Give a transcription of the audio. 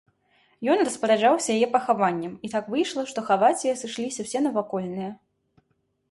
Ён распараджаўся яе пахаваннем, і так выйшла, што хаваць яе сышліся ўсе навакольныя.